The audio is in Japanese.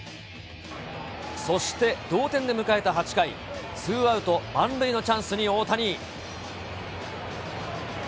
そして同点で迎えた８回、ツーアウト満塁のチャンスに大谷。